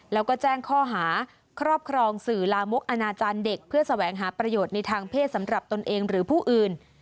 แล้วก็แจ้งข้อหาครอบครองสื่อลามกอนาจารย์เด็กเพื่อแสวงหาประโยชน์ในทางเพศสำหรับตนเองหรือผู้อื่น